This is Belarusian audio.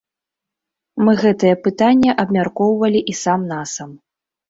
Мы гэтае пытанне абмяркоўвалі і сам-насам.